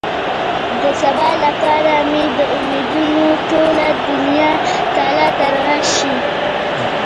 د سبا لپاره مې د امېدونو ټوله دنيا تالا ترغه شي.